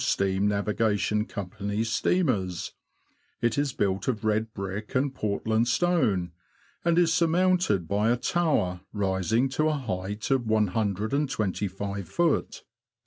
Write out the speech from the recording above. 103 Steam Navigation Company's steamers. It is built of red brick and Portland stone, and is surmounted by a tower rising to a height of 125ft.